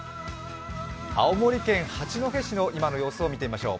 青森県八戸市の今の様子を見てみましょう。